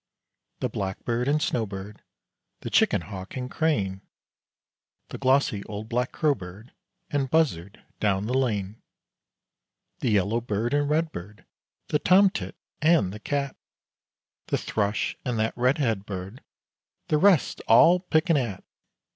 The blackbird and snowbird, The chicken hawk and crane; The glossy old black crow bird, And buzzard, down the lane. The yellowbird and redbird, The tom tit and the cat; The thrush and that redhead bird The rest's all pickin' at!